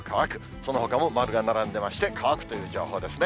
そのほかも丸が並んでまして、乾くという情報ですね。